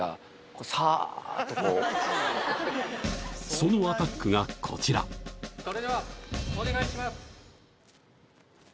そのアタックがこちらそれではお願いします。